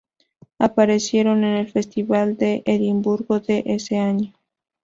Aparecieron en el Festival de Edinburgo de ese año.